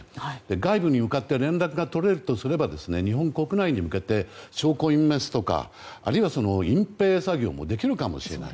外部に向かって連絡が取れるとすれば日本国内に向けて証拠隠滅とか、隠蔽作業もできるかもしれない。